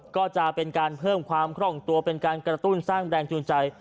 ก็จะเป็นการเพิ่มความคล่องตัวเป็นการกระตุ้นสร้างแรงจูงใจ